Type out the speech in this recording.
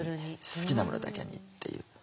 好きなものだけにっていう。